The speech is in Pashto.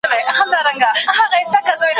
هغوی د نويو سيمو د نيولو لپاره پوځ ولېږه.